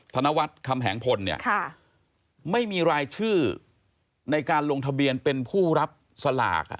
ธนวัฒน์คำแหงพลเนี่ยไม่มีรายชื่อในการลงทะเบียนเป็นผู้รับสลาก